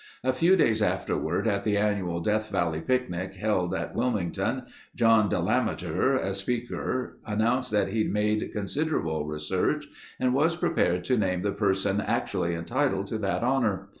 A few days afterward, at the annual Death Valley picnic held at Wilmington, John Delameter, a speaker, announced that he'd made considerable research and was prepared to name the person actually entitled to that honor.